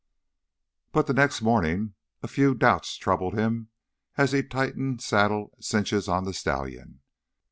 But by the next morning a few doubts troubled him as he tightened saddle cinches on the stallion.